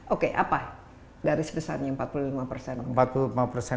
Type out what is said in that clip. oke apa dari sebesarnya empat puluh lima